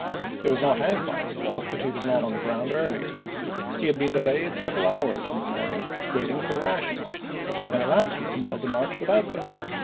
It was not Hancock's fault that he was not on the ground earlier. He had been delayed several hours in the morning waiting for rations, and at last was compelled to march without them.